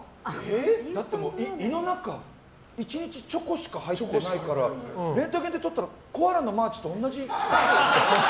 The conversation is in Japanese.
胃の中１日チョコしか入ってないからレントゲンで撮ったらコアラのマーチと同じ。